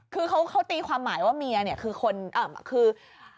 คือเขาตีมีความหมายว่าเมียคือคนอ่ะคือ